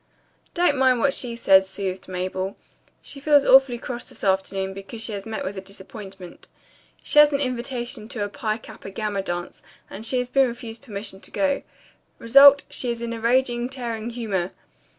"Don't mind what she says," soothed Mabel. "She feels awfully cross this afternoon because she has met with a disappointment. She has an invitation to a Pi Kappa Gamma dance and she has been refused permission to go. Result, she is in a raging, tearing humor."